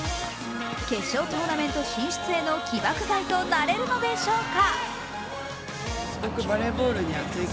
決勝トーナメント進出への起爆剤となれるのでしょうか？